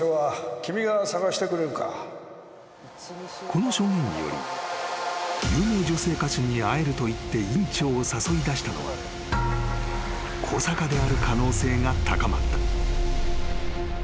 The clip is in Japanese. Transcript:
［この証言により有名女性歌手に会えると言って院長を誘い出したのは小坂である可能性が高まった］